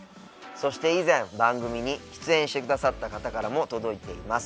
そして以前番組に出演してくださった方からも届いています。